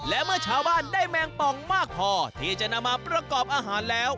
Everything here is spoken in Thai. และเมื่อชาวบ้านได้แมงปองมากพอที่จะนำมาประกอบอาหารแล้ว